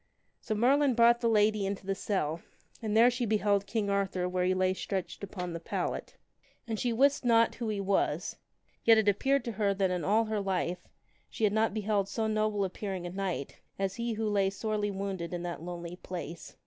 So Merlin brought the lady into the cell, and there she beheld King Arthur where he lay stretched upon the pallet. And she wist not who he was. Yet it appeared to her that in all her life she had not beheld so noble appearing a knight as he who lay sorely wounded in that lonely place.